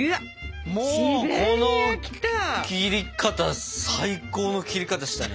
もうこの切り方最高の切り方したね